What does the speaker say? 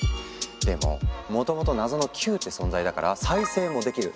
でももともと謎の「球」って存在だから再生もできる。